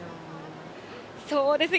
そうですね。